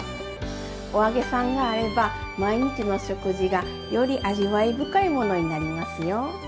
お揚げさんがあれば毎日の食事がより味わい深いものになりますよ。